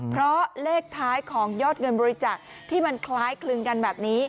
เพราะเลขท้ายของยอดเงินบริจาคที่มันคล้ายคลึงกันแบบนี้